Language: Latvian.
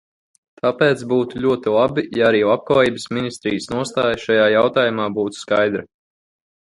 Tāpēc būtu ļoti labi, ja arī Labklājības ministrijas nostāja šajā jautājumā būtu skaidra.